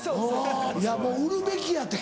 いやもう売るべきやて。